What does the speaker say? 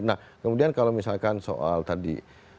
nah kemudian kalau misalkan soal tadi